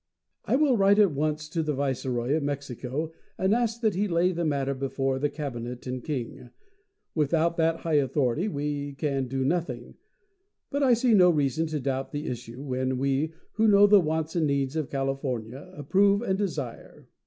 "I will write at once to the Viceroy of Mexico and ask that he lay the matter before the Cabinet and King. Without that high authority we can do nothing. But I see no reason to doubt the issue when we, who know the wants and needs of California, approve and desire.